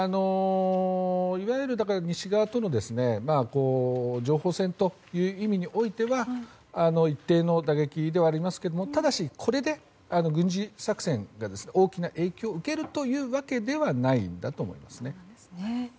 いわゆる西側との情報戦という意味においては一定の打撃ではありますけどもただし、これで軍事作戦が大きな影響を受けるというわけではないんだと思いますね。